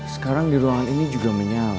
sekarang di ruangan ini juga menyala